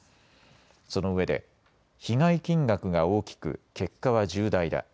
そのうえで被害金額が大きく結果は重大だ。